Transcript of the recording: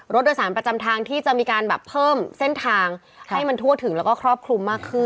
รถโดยสารประจำทางที่จะมีการแบบเพิ่มเส้นทางให้มันทั่วถึงแล้วก็ครอบคลุมมากขึ้น